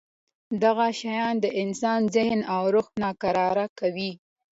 دغه شیان د انسان ذهن او روح ناکراره کوي.